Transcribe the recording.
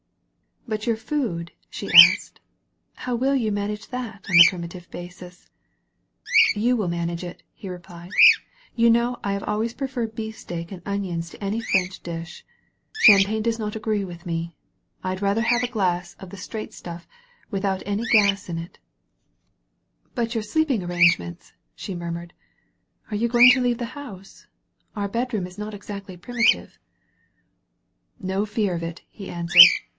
"But your food," she asked, "how will you manage that on a primitive basis?" "You will manage it," he replied, "you know I have always preferred beefsteak and onions to any French dish. Champagne does not agree with me. I'd rather have a glass of the straight stuff, with out any gas in it." 219 THE VALLEY OF VISION ^'But your sleeping arrangements/' she mur mured, "are you going to leave the house? Our bedroom is not exactly primitive." "No fear of it," he answered.